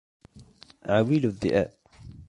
عويل الذئاب